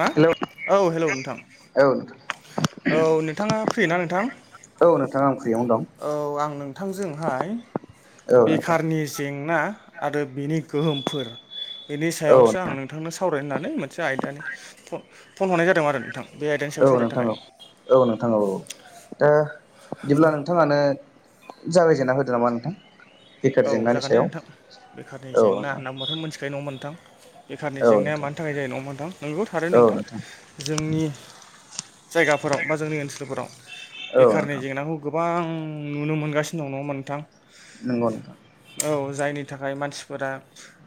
मा औ हेलौ नोंथां नोंथां औ नोंथाङा फ्रि ना नोंथां औ नोंथां आं फ्रियावनो दं औ आंनो नोंथांजोंहाय औ नोंथां बेखारनि जेंना आरो बिनि गोहोमफोर बेनि औ सायावसो आं नोंथांनो सावराय होननानै मोनसे आयदानि फन हरनाय जादों आरो नोंथां। बे आयदानि औ सायाव सावरायनो नोंथां थाखाय औ नोंथां औ दा बिदिब्ला नोंथाङानो जाबायजेना होदो नामा नोंथां। बेखार औ जेंनानि जागोन दे सायाव नोंथां बेखारनि औ जेंना नोंथां नाम्बारखौ मोनथिखायो नङा नोंथां? बेखारनि औ जेंनाया नोंथां मानि थाखाय जायो नङा नोंथां नोंबो थारो नोंथां जोंनि जायगाफोराव बा जोंनि ओनसोलफोराव औ बेखारनि नोंथां जेंनाखौ गोबां आ नुनो मोनगासिनो दं नङ मोनोंथां? नंगौ नंगौ। जायनि थाखाय मानसिफोरा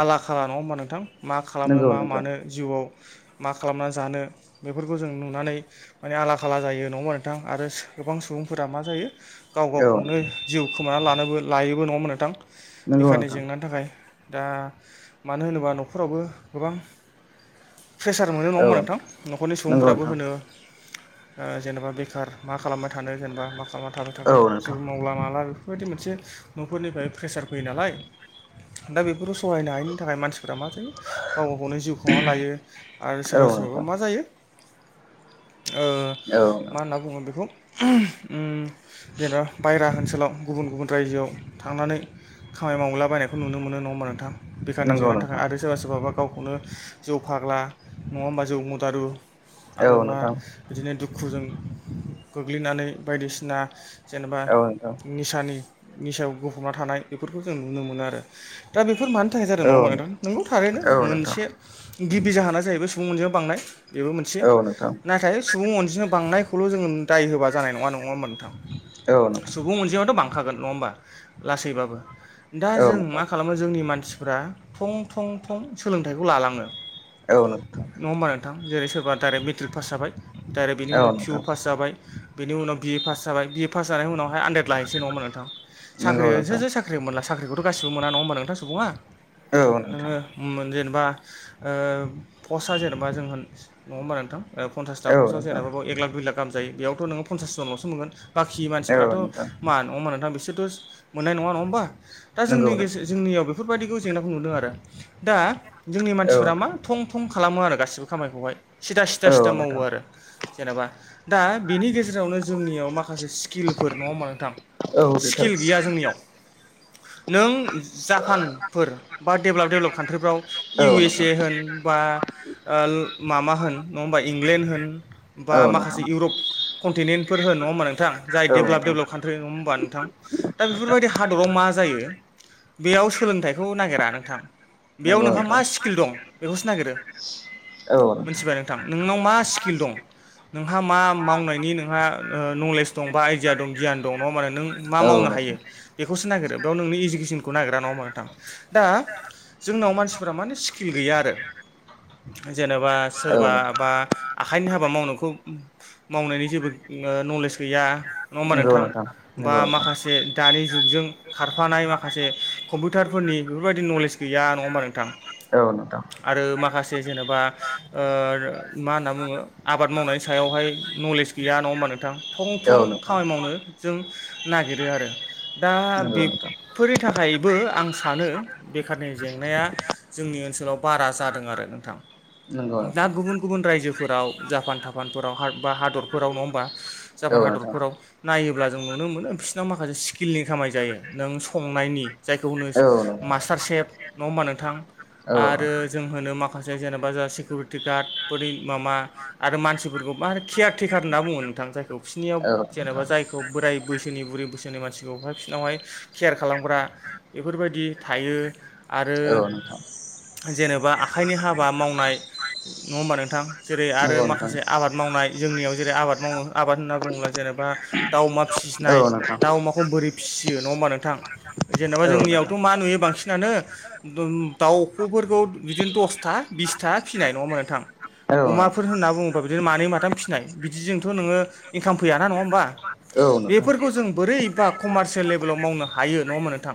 आला खाला नङा होमबा नोंथां? मा खालामनो नंगौ मा नोंथां मानो जिउआव मा खालामनानै जानो बेफोरखौ जों नुनानै माने आला खाला जायो नङा नोंथां आरो गोबां सुबुंफोरा मा जायो गाव औ गावखौनो नोंथां जिउ खोमानानै लानोबो लायोबो नङामोन नोंथां नंगौ बेखारनि नोंथां जेंनानि थाखाय दा मानो होनोबा न'खरावबो गोबां प्रेसार मोनो नङाोन औ नोंथां न'खरनि नंगौ सुबुंफ्राबो नोंथां होनो जेनेबा बेखार मा खालामबाय थानो जेनेबा मा खालामना थाबाय औ नोंथां थाखो औ जेबो नोंथां मावला माला बेफोरबायदि मोनसे न'फोरनिफ्राय प्रेसार फैयो नालाय दा बेफोरखौ सहायनो हायैनि थाखाय मानसिफोरा मा गाव गा गावनो जिउखौ मा लायो आरो सोरबा औ सोरबाबा मा जायो ओ मा नोंथां होनना बुङो बेखौ जेन'ब बायहेरा ओनसोलाव गुबुन गुबुन रायजोआव थांनानै खामानि मावलाबायनायखौ नुनो मोनो नङा होमबा नोंथां बिखाराननि नंगौ जेंनानि थाखाय नोंथां आरो सोरबा सोरबाबा गाव नो जौ फाग्ला नङा होमबा जौ मुदारु औ आरो मा नोंथां बिदिनो दुखु दुखुजों गोग्लैनानै बायदिसिना जेनेबा औ नोंथां औ नोंथां निसानि निसायाव गफबना थानाय बेफोरखौ जों नुनो मोनो आरो दा बेफो बेफोर मानि थाखाय जादों नङा औ होनबा नोंगौ थारैनो नोंथां औ नोंथां मोनसे गिबि जाहोना जाहैबाय सुबुं मोनजों बांनाय बेबो मोनसे औ नोंथां औ नाथाय सुबुं अनजिमा बांनायखौल' जोङो दाय होबा जानाय नङा नङा होमबा? नोंथां सुबुं अनजिमाया दं बांखागोन नङा होमबा? लासैबाबो दा जों मा खालामो जोंनि मानसिफोरा थं थं थं सोलोंथाइखौ लालाङो औ नोंथां नङा होमबा नोंथां जेरै सोरबा दाइरेक्ट मेट्रिक पास जाबाय। दाइरेक्ट बेनि उनाव औ पिउ नोंथां पास जाबाय बेनि उनाव बिए पास जाबाय बिए पास जानाय उनावहाय आनदेद लायनोसै नङामोन नोंथां? नंगौ साख्रिजोंसो नोंथां जो साख्रि मोनला साख्रिखौ' गासिबो मोना नङा होनब नोंथां सुबुङा औ नोंथां नोङो जेनेबा पस्टआ जेनेबा जों नङा होमबा नोंथां? पन्सासाटा औ पस्ट नोंथां जेनबा एक लाख दुइ लाख गाह जायो बेयावथ' नोोन्सास जनल'सो मोनो। बाखि औ मानसिफ्राथ' नोंथां मा नङा मा नोंथां बिसोरथ' मोननाय नङा नङा होमबा? दा नंगौ जोंनि नोंथां जोंनियाव बेफोरबायदिखौ जेंनाखौ नुदों आरो दा जोंनि औ मानसिफोरा मा नोंथां थं थं खालामो आरो गासिबो खामायखौहाय सिदा सिदा सिदा औ मावो नोंथां आरो जेनेबा दा बेनि गेजेरावनो जोंनियाव माखासे स्किलफोर नङा होमबा नोंथां? औ नोंथां औ नोंथां स्किल गैया जोंनियाव। नों जापानफोर बा डेभेलप दडेभलप कान्ट्रिफ्राव इ एस ए होन बा माबा होन नङा हबा इंलेण्ड होन बा औ नोंथां माखासे इउरप कन्टिनेन्टफोर हो नङा होनबा नोंथां जाय औ देभेलप डेभेलप कान्ट्रि नङ होमबा नोंथां? दा बेफोरबायदि हादराव मा जायो नोंथां बेयाव सोलोंथाइखौ नागिरा नोंथां। बेयाव नंगौ नोंहा नोंथां मा स्किल दं बेखौसो नागिरो मिथिबाय नोंथां। नोंनाव मा स्किल दं। नोंहा मा मावनायनि नोंहा नलेज दं बा आइडिया दं गियान दं नङ माने नों मा औ मावनो हायो। नोंथां बेखौसो नागिरो बेयाव नोंनि इडुकेसनखौ नागिरा नङाा नोंथां दा। जोंनाव मानसिफोरा माने स्किल गैया आरो जेनेबा औ सोरबा नोंथां बा। आखाइनि हाबा मावनायखौ मावनायनि जेबो नलेज गैया। नङा होमबा नंगौ नोंथां बा नंगौ नोंथां माखासे दानि जुगजों खारफानाय माखासे कम्पिउटारफोरनि बेफोरबायदि नलेज गैया नङा होमबा नोंथां। औ नोंथां आरो माखासे जेनेबा मा होनना बुङो आबाद मावनायनि सायावहाय नलेज गैया नङा होमबा नोंथां थं थं औ नोंथां खामानि मावनो जों नागिरो आरो। दा नंगौ नोंथां। बेफोरनि थाखायबो आं सानो बेखारनि जेंनाया जों जोंनि ओनसोलाव बारा जादों आरो नोंथां। नंगौ दा नोंथां गुबुन गुबुन रायजोफोराव जापान थापानफोराव बा हादरफोराव नङा होमबा औ जापान ह नोंथां हादरफोराव नायोब्ला जों नुनो मोनो बिसिरनाव माखासे स्किलनि खामाय जायो नों संनायनि जायखौ होनो औ नोंथां मास्टार सेफ नङा होमबा नोंथां। औ आरो जों होनो नोंथां। माखासे जेनेबा जों सिकिउरिटि गार्डफोरनि माबा आरो मानसिफोरखौ। मा होनो केयारटेकार होनना बुङो नोंथां जायखौ बिसोरनियाव औ जेनेबा नोंथां जायखौ बोराय बैसोनि बुरै बोसोनि मानसि। बिबौफाय बिनावहाय केयार खालामग्रा बेफोरबायदि थायो आरो। औ नोंथां जेनेबा आखाइनि हाबा मावनाय नङा होमबा नोंथां जेरै आरो नंगौ नोंथां माखासे आबाद माव नाय जों जेनाबा आबाद मावनानै बा जेनबा दाउ अमा फिसिनाय औ नोंथां। खमबोरै फिसियो नङा होमबा नोंथां जेनेबा औ नोंथां औ नोंथां औ नोंथां औ जोंनियावथ' मा नुयो नोंथां। बांसिनानो दाउ दाउफफोरखौ बिदिनो दसथा बिसथा फिसिनाय नङामोन नोंथां। अमाफोर होनना बुङोबा बिदिनो मानै माथाम फिसिनाय बिदिजोंथ' नोङो इनकाम फैयाना नङा होमबा? बेफोरखौ जों बोरैबा कमारसियेल लेभेलाव मावनो हायो नङा होनबा नोंथां?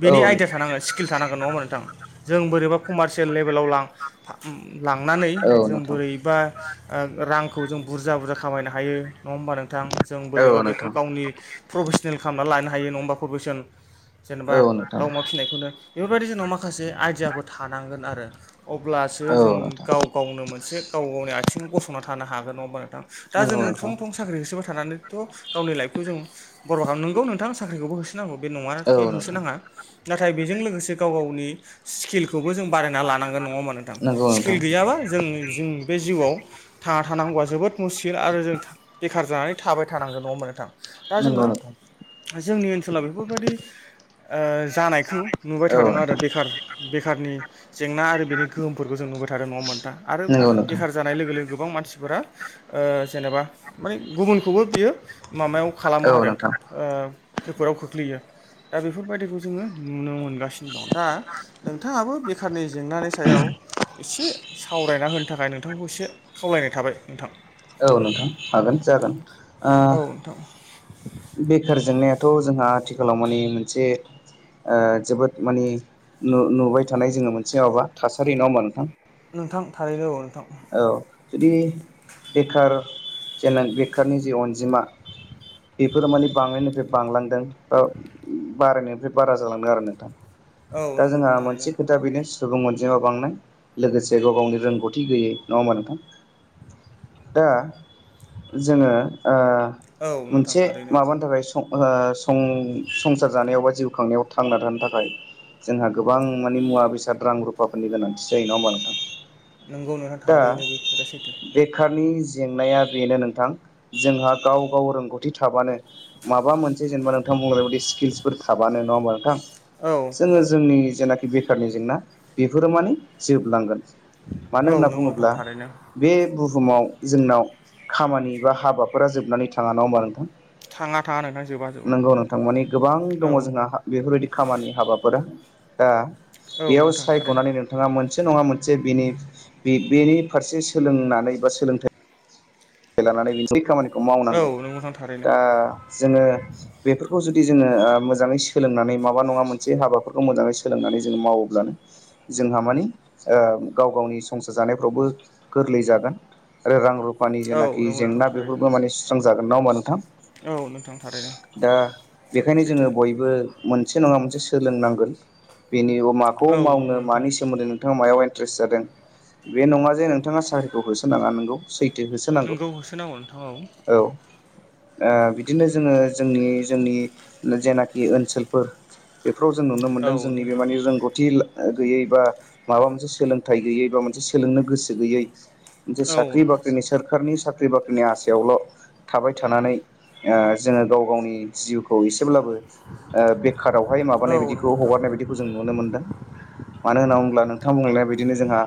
बेनि आइडिया थानांगोन स्किल थानांगोन नङा मोन नोंथां जों बोरैबा कमार्सियेल लेभेलाव लां लांनानै जों औ नोंथां बोरैबा रांखौ जों बुरजा बुरजा खामायनो हायो नङा होमबा नोंथाङा। जों बोरैबा औ बेखौ नोंथां। गावनि प्रफेसनेल खालामनानै लानो हायो नङाबा प्रफेसन औ जेनेबा नोंथां दाउमा फिसिनायखौनो बेफोरबायदि जोंनाव माखासे आइडियाफोर थानांगोन आरो अब्ला। सो औ जों नोंथां गाव गावनो मोनसे गाव गावनि आथिङाव गसंना थानो हागोन नङाबा नोंथां दा नंगौ जों नोंथां थं थं। साख्रि होसोबा थानानैथ' गावनि लाइफखौ जों बर' खालाम नोंगौ नोंथां साख्रिखौबो होसोनांगौ बे औ नङाखि नोंथां होसोनाङा नाथाय बेजों लोगोसे गाव गावनि। स्किलखौबो जों बारायना लानांगोन नङा होमबा नोंथां नंगौ स्किल नोंथां गैयाबा जों जों। बे जिउआव थांना थानांगौआ जोबोद मुस्किल आरो जों बेखार जानानै थाबाय थानांगोन नङा ओमबा नोंथां। दा नंगौ जोङो नोंथां जोंनि ओनसोलाव बेफोरबायदि ओ जानायखौ नुबाय औ थादों आरो नोंथां बेखार बेखारनि जेंना आरो बेनि गोहोमफोरखौ जों। नुबाय थादों नङा ओमबा नोंथा आरो नंगौ नोंथां बेखार जानाय लोगो लोगो। गोबां मानसिफोरा ओ जेनेबा माने गुबुनखौबो बियो माबायाव खालामो औ आरो। नोंथां ओ खैफोदाव खोख्लैयो। दा बेफोरबायदिखौ जोङो नुनो मोनगासिनो दं दा नोंथाङाबो बेखारनि जेंनानि सायाव इसे सावरायना होनो थाखाय नोंथांखौ एसे खावलायनाय थाबाय नोंथां। औ नोंथां हागोन जागोन ओ औ नोंथां बेखार जेंनायाथ' जोंहा आथिखालाव माने मोनसे ओ जोबोद मानि नुबाय थानाय जोङो मोनसे माबा थासारि नङा होमबा नोंथां नोंथां थारैनो औ नोंथां औ जुदि बेखार जेन बेखारनि जे अनजिमा। बेफोरो माने बांनायनिफ्राय बांलांदों ओ बारायनायनिफ्राय बारा जालांदों आरो नोंथां। औ दा नंगौ जोंहा नोंथां थारैनो मोनसे खोथा बेनो सुबुं अनजिमा बांनाय लोगोसे गाव गावनि रोंगौथि गैयै नङा होमबा नोंथां? दा जोङो औ नोंथां मोनसे थारैनो माबानि थाखाय सं ओ सं सं। जानायाव बा जिउ खांनायाव थांना थानो थाखाय जोंहा गोबां माने मुवा-बेसाद रां रुफाफोरनि गोनांथि जायो नङा होमबा नोंथां नोंगौ नोंथां थारैनो से खोथाया सैथो। नि जेंनाया बेनो नोंथां जोंहा गाव गाव रोंगौथि थाबानो माबा मोनसे जेनेबा नोंथां बुंनायबायदि स्किलसफोर थाबानो नङा होमबा नोंथां? औ जोङो जोंनि जेनाखि बेखारनि जेंना बेफोरो माने जोबलांगोन मानो औ होनना नंगौ नोंथां बुङोब्ला थारैनो बे बुहुमाव जोंनाव खामानि बा हाबाफोरा जोबनानै थाङा नङाबा नोंथां। थाङा थाङा नोंथां जोबा जोबा नंगौ नोंथां मानि गोबां औ दङ' जोंहा बेफोरबायदि खामानि हाबाफोर दा औ बेयाव नोंथां थारैनो सायख'नानै नोंथाङा मोन मोनसे नङा मोनसे बेनि बेनि फारसे सोलोंनानै बा सोलोंथाइ लानानै खामानिखौ औ मावनांगौ नंगौ नोंथां थारैनो दा जोङो बेफोरखौ जुदि जोङो ओ मोजाङै सोलोंनानै माबा नङा मोनसे हाबा फोरखौ मोजाङै सोलोंनानै जों मावोब्लानो जोंहा मानि ओ गाव गावनि संसार जानायफ्रावबो गोरलै जागोन आरो रां-रु फानि औ जेनाखि नंगौ नोंथां जेंना थारैनो बेफोरबो माने सु्स्रां जागोन नङा होमबा नोंथां? औ नोंथां थारैनो दा बेखायनो सैथो जोङो बयबो मोनसे नङा मोनसे सोलोंनांगोन बेनि माखौ औ नंगौ मावनो नोंथां मानि सोमोन्दै नोंथाङा मायाव गोसो जादों बे नङा जे नोंथाङा साख्रिखौ होसोनाङा नोंगौ सैथो होसोनांगौ। नंगौ होसोनांगौ नोंथां औ। ओ बिदिनो जोङो जोंनि जोंनि जेनाखि ओनसोलफोर फ्राव जों नुनो औ मोनदों नंगौ जोंनि बे नोंथां मानि रोंगौथि गैयै बा माबा मोनसे सोलोंथाइ गैयै बा मोनसे सोलोंनो गोसो गैयै जे औ नंगौ साख्रि बाख्रिनि नोंथां सोरखारनि साख्रि साख्रि बाख्रिनि आसायावल' थाबाय थानानै ओ जोङो गाव गावनि जिउखौ एसे एसेब्लाबो ओ बेखारावहाय औ माबानाय नंगौ बायदिखौ नोंथां हगारनाय बायदिखौ जों नुनो मोनदों। मानो होनना बुंब्ला नोंथां बुंनाय बायदि बिदिनो जोंहा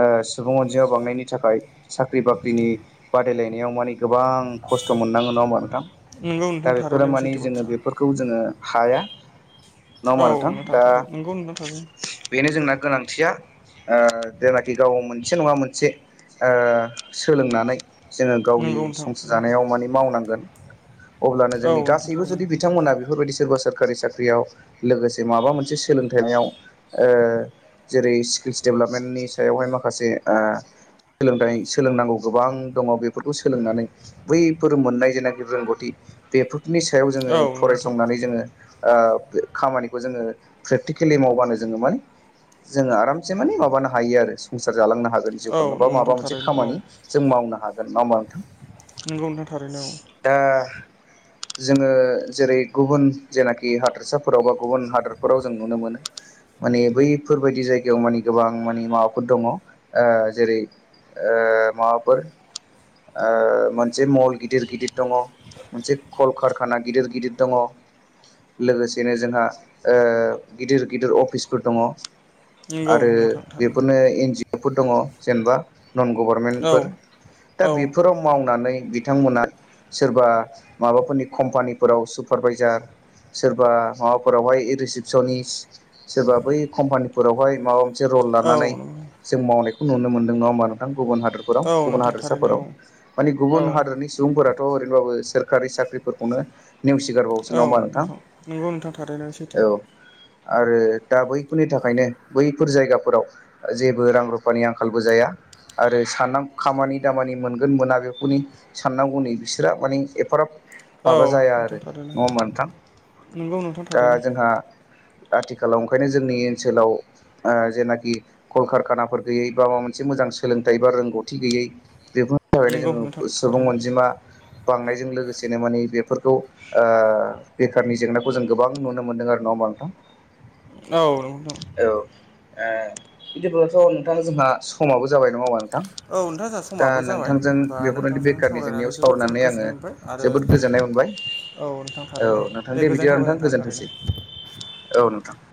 ओ सुबुं अनजिमा बांनायनि थाखाय साख्रि बाख्रिनि बादायलायनायाव माने गोबां खस्थ' मोननांगौ नङाहोमबा नोंथां? नोंगौ दा नोंथां बेफोरो थारैनो बे मानि सैथो जोङो बाथ्रा बेफोरखौ जोङो हाया नङा औ होमा नोंथां? दा थारैनो नोंगौ नोंथां थारैनो बेनो जोंना गोनांथिया। जेनाखि गाव मोनसे नङा मोनसे ओ सोलोंनानै जोङो गावनि संसार जानायाव मानि मावनांगोन। अब्लानो जोंनि नोंगौ नोंथां गासैबो थारैनो जुदि बिथांमोना बेफोरबायदि सोरबा सो सोरखारि साख्रियाव लोगोसे माबा मोनसे सोलोंथाइाव ओ जेरै स्क्रिस डेभेलपमेन्टनि सायावहाय माखासे सोलोंथाइ सोलोंनांगौ गोबां दङ बेफोरखौ सोलोंनानै बैफोर मोननाय जेनाखि रोंगौथि बे नि सायाव जोङो औ फरायसंनानै जोङो खामानिखौ जोङो प्रेक्टिकेलि मावबानो जोङो माने जोङो आरामसे माने माबानो हायो आरो संसार जालांनो हा जिउ बा नोंथां माबा मोनसे थारैनो औ खामानि जों मावनो हागोन नङा होमबा नोंथां? नंगौ नोंथां थारैनो औ। दा [inaudible] जोङो जेरै गुबुन जेनाखि हादोरसाफोराव बा गुबुन हादोरफोराव जों नुनो मोनो। माने बैफोरबायदि जायगायाव माने गोबां माने माबाफोर दङ ओ जेरै ओ माबाफोर ओ मोनसे मल गिदिर गिदिर दङ। मोनसे कलकारखाना गिदिर गिदिर दङ। लोगोसेनो जोंहा गिदिर गिदिर अफिसफोर दङ। नंगौ आरो नोंथां थारैनो बेफोरनो इन फोर दङ जेनेबा नन गभर्नमेन्टफोर औ दा औ बेफोराव मावनानै बिथांमोना सोरबा माबाफोरनि कम्पानिफोराव सुपारभाइजार सोरबा माबाफोरावहाय रिसिपसनिस सोरबा बै कम्पानिफोरावहाय माबा मोनसे रल औ लानानै जों मावनाय खौ नुनो मोनदों नङा होमबा नोंथां? गुबुन हादोराव औ गुबुन नोंथां थारैनो हादोरसाफोराव माने औ गुबुन हादोरनि सुबुं फोराथ' ओरैनोब्लाबो सोरखारि साख्रिफोरखौनो नेवसिगारबावोसो नङा औ होमबा नोंथां? नंगौ नोंथां थारैनो सैथो औ। आरो दा बैफोरनि थाखायनो बैफोर जायगाफोराव जेबो रां रुफानि आंखालबो जाया। आरो सानाम खामानि दामानि मोनगोन मोना बेफोरनि साननांगौनि बिसोरहा मानि एफाराब माबा औ जाया नोंथां आरो थारैनो न' मोनथाम नंगौ नोंथां दा थारैनो जोंहा आथि खालाव ओंखायनो जोंनि ओनसोलाव जेनाखि कलकारखानाफोर गैयै बा माबा मोनसे मोजां सोलोंथाइ बा रोंगौ थि गैयै बेफोरनि थाखायनो नंगौ जोङो नोंथां सुबुं थारैनो अनजिमा बांनायजों जों लोगोसेनो माने बेफोरखौ ओ बेखारनि जेंनाखौ जों गोबां नुनो मोन्दों आरो नंङा होनबा नोंथां? औ नंगौ। बिबदिब्लाथ' नोंथां जोंहा समाबो जाबाय नङा होनबा नोंथां? औ नोंथां जोंहा दा समाबो जाबाय नोंथांजों बा बेफोरबायदि नोंथांजों बेखारनि सावरायनानै जेंनायाव जोबोद जोबोद सावरायनानै आङो गोजोननाय मोनबाय आरो जोबोद गोजोननाय मोनबाय। नोंथां औ थारैनो नोंथां दे गोजोननाय बिदिब थाबाय नोंथां थारैनो गोजोनथोंसै औ नोंथां।